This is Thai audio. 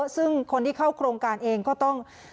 ซึ่งคนที่เข้าโครงการเองก็ต้อง